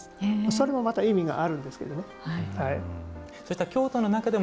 それもまた意味があるんです。